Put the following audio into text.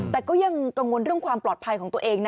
แต่ก็ยังกังวลเรื่องความปลอดภัยของตัวเองนะ